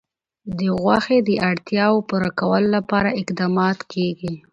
د غوښې د اړتیاوو پوره کولو لپاره اقدامات کېږي.